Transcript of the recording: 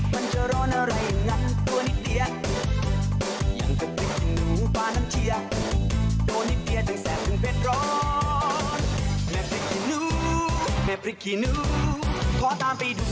ที่ฉันเป็นแฟนนู่นเมื่อพันขีดหนู